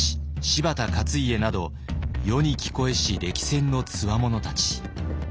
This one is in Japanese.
柴田勝家など世に聞こえし歴戦のつわものたち。